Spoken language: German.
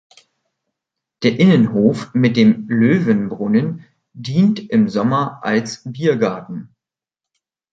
Der Innenhof mit dem Löwenbrunnen dient im Sommer als Biergarten.